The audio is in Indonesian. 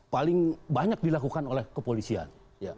paling banyak dilakukan oleh kepolisian